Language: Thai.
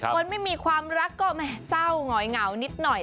คนไม่มีความรักก็เศร้าหงอยเหงานิดหน่อย